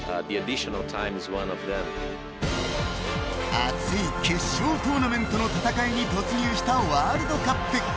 熱い決勝トーナメントの戦いに突入したワールドカップ。